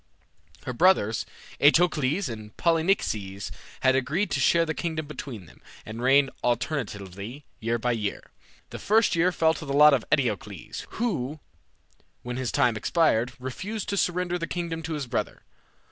Her brothers, Eteocles and Polynices, had agreed to share the kingdom between them, and reign alternately year by year. The first year fell to the lot of Eteocles, who, when his time expired, refused to surrender the kingdom to his brother.